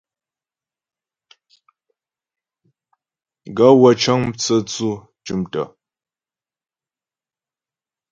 Gaê wə́ cə́ŋ mtsə́tsʉ̂ tʉ̀mtə̀.